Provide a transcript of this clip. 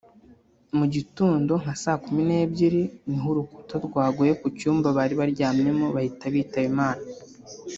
mu gitondo nka sa kumi n’ebyiri ni ho urukuta rwaguye ku cyumba bari baryamyemo bahita bitaba Imana